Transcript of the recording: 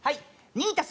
２足す